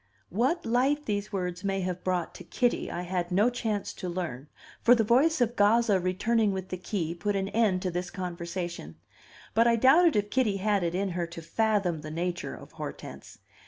What light these words may have brought to Kitty, I had no chance to learn; for the voice of Gazza returning with the key put an end to this conversation. But I doubted if Kitty had it in her to fathom the nature of Hortense.